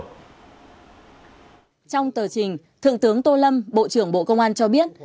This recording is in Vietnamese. trong tờ trình thượng tướng tô lâm bộ trưởng bộ công an cho biết